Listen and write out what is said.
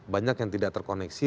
banyak yang tidak terkoneksi